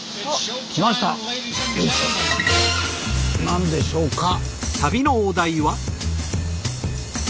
何でしょうか。